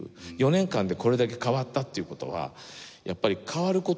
４年間でこれだけ変わったっていう事はやっぱり変わる事を恐れない。